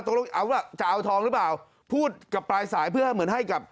ตกลงเอาว่าจะเอาทองหรือเปล่าพูดกับปลายสายเพื่อให้เหมือนให้กับ